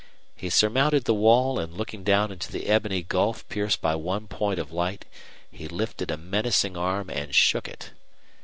He surmounted the wall, and, looking down into the ebony gulf pierced by one point of light, he lifted a menacing arm and shook it.